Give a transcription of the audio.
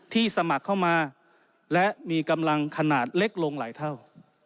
สมัครเข้ามาและมีกำลังขนาดเล็กลงหลายเท่า